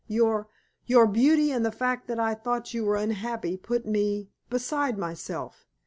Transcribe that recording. Your your beauty, and the fact that I thought you were unhappy, put me beside myself.